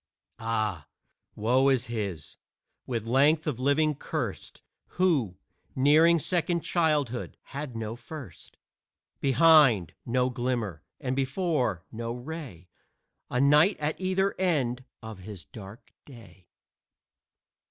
Ah, woe is his, with length of living cursed, Who, nearing second childhood, had no first. Behind, no glimmer, and before no ray A night at either end of his dark day.